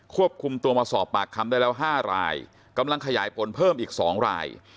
ควบคุมตัวมาสอบปากคำได้แล้ว๕รายกำลังขยายผลเพิ่มอีก๒ราย